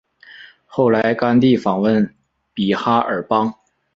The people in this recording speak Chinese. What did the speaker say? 后来甘地访问比哈尔邦。